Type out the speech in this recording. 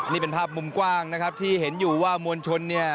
นี่เป็นภาพมุมกว้างนะครับที่เห็นอยู่ว่ามวลชนเนี่ย